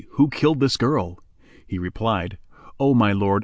Who killed this girl?" He replied, "O my lord!